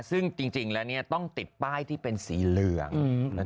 ซึ่งจริงแล้วต้องติดป้ายที่เป็นสีเหลือง